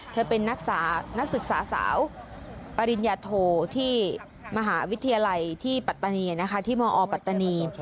เธอเป็นนักศึกษาสาวปริญญโทที่มหาวิทยาลัยที่ปัตตานี